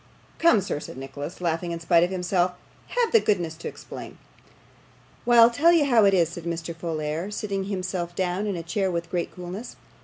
'Come, sir,' said Nicholas, laughing in spite of himself. 'Have the goodness to explain.' 'Why, I'll tell you how it is,' said Mr. Folair, sitting himself down in a chair with great coolness.